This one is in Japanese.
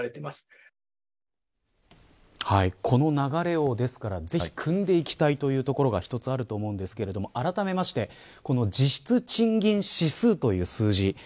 ですから、この流れをぜひ、くんでいきたいというところが一つあると思うんですがあらためて実質賃金指数という数字。